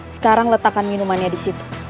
sekarang letakkan minumannya disitu